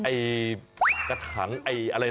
ไอ่กะแผงอะไรนะ